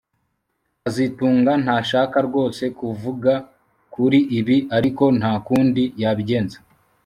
kazitunga ntashaka rwose kuvuga kuri ibi ariko nta kundi yabigenza